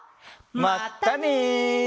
まったね！